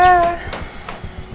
soal pembunuhan roy